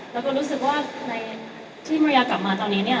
แล้วก็รู้สึกว่าในที่มาริยากลับมาตอนนี้เนี่ย